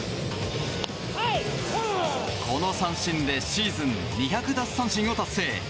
この三振でシーズン２００奪三振を達成。